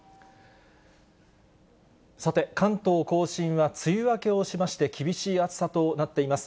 さて、関東甲信は梅雨明けをしまして、厳しい暑さとなっています。